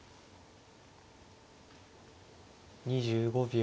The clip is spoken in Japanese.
２５秒。